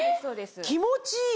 気持ちいい！